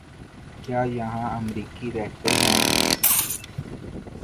کیا یہاں امریکی رہتے ہیں؟